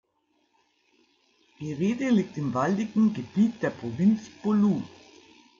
Gerede liegt im waldigen Gebiet der Provinz Bolu.